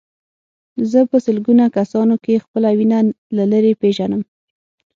زه په سلګونه کسانو کې خپله وینه له لرې پېژنم.